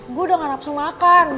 gue udah gak nafsu makan